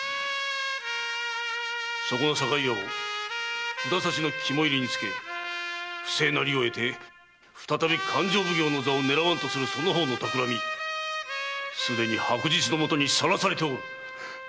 そこな堺屋を札差の肝煎につけ不正な利を得て再び勘定奉行の座を狙わんとするその方の企みすでに白日の下にさらされておる！